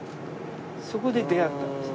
そこで出会ったんです。